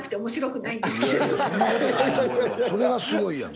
それがすごいやん。